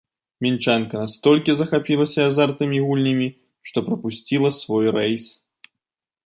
Мінчанка настолькі захапілася азартнымі гульнямі, што прапусціла свой рэйс.